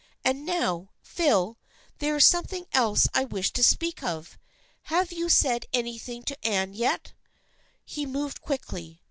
And now, Phil, there is something else I wish to speak of. Have you said anything to Anne yet ?" He moved quickly.